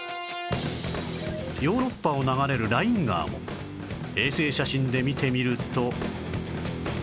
ヨーロッパを流れるライン川も衛星写真で見てみると